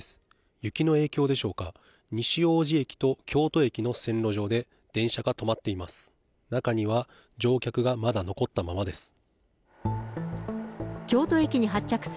雪の影響でしょうか、西大路駅と京都駅の線路上で電車が止まっています。